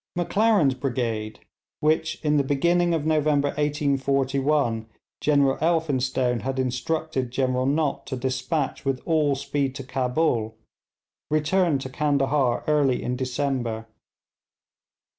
Maclaren's brigade, which in the beginning of November 1841 General Elphinstone had instructed General Nott to despatch with all speed to Cabul, returned to Candahar early in December.